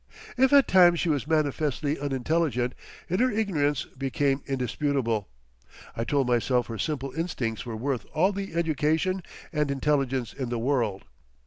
If at times she was manifestly unintelligent, in her ignorance became indisputable, I told myself her simple instincts were worth all the education and intelligence in the world.